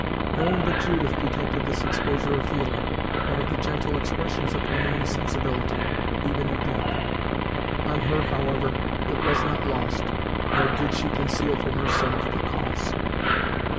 No one but Judith detected this exposure of feeling, one of the gentle expressions of womanly sensibility, even in death. On her, however, it was not lost, nor did she conceal from herself the cause.